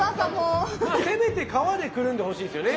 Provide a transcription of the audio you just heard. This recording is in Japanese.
まあせめて皮でくるんでほしいですよね。